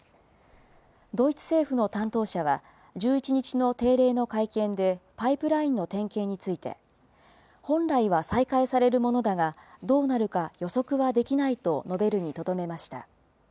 ドイツ政府の担当者は、１１日の定例の会見でパイプラインの点検について、本来は再開されるものだが、どうなるか予測はできないと述べるにとどめました。